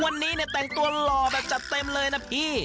วันนี้เนี่ยแต่งตัวหล่อแบบจัดเต็มเลยนะพี่